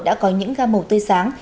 đã có những ga màu tươi sáng